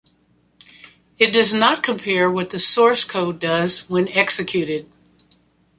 It does not compare what the source code does when executed.